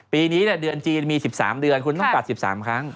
ปีนี้เดือนจีนมี๑๓เดือนคุณต้องตัด๑๓ครั้ง